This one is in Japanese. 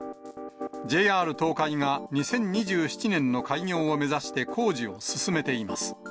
ＪＲ東海が２０２７年の開業を目指して工事を進めています。